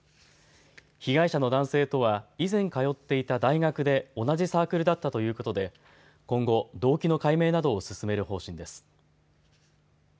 被害者の男性とは以前、通っていた大学で同じサークルだったということで今後、動機の解明などを進める方針です。